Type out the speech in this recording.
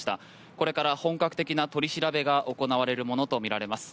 これから本格的な取り調べが行われるものとみられます。